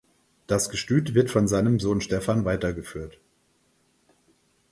Das Gestüt wird von seinem Sohn Stefan weitergeführt.